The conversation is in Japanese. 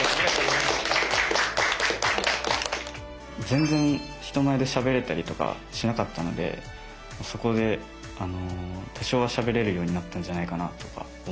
全然人前でしゃべれたりとかしなかったのでそこであの多少はしゃべれるようになったんじゃないかなとか思ってます。